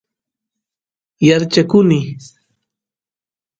yaarchakuny